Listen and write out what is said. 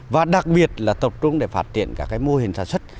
và đặc biệt là tập trung để phát triển các mô hình sản xuất